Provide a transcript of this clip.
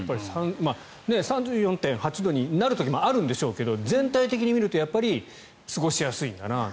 ３４．８度になる時もあるんでしょうけど全体的に見ると過ごしやすいんだなと。